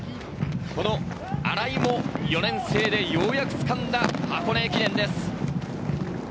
新井も４年生でようやく掴んだ箱根駅伝です。